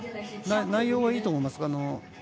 内容はいいと思います。